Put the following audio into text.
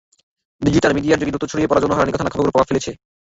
Digital মিডিয়ার যুগে দ্রুত ছড়িয়ে পড়া যৌন হয়রানির ঘটনার খবরগুলোও প্রভাব ফেলছে।